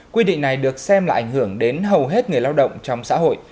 quy định này được xem là ảnh hưởng đến hầu hết người lao động trong xã hội